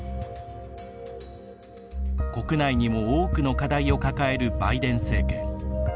国内にも多くの課題を抱えるバイデン政権。